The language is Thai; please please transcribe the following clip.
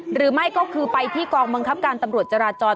หรือไม่ก็คือไปที่กองบังคับการตำรวจจราจร